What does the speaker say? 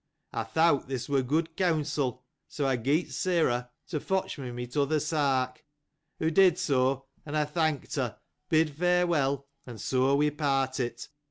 I thought this ■rfas good counsel, so, I got Sarah to fetch my other shirt. She did so, and I thanked her, bade farewell, and so we parted.